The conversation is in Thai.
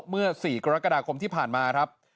เมื่อ๔กรกฎาคมที่ผ่านมาครับ